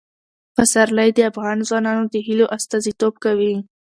پسرلی د افغان ځوانانو د هیلو استازیتوب کوي.